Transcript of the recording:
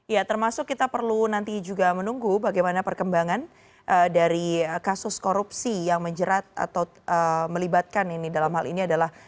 ya termasuk kita perlu nanti juga menunggu bagaimana perkembangan dari kasus korupsi yang menjerat atau melibatkan ini dalam hal ini adalah